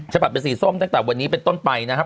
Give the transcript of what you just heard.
ฉบับเป็นสีส้มตั้งแต่วันนี้เป็นต้นไปนะครับ